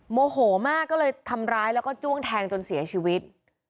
โมโหมากก็เลยทำร้ายแล้วก็จ้วงแทงจนเสียชีวิต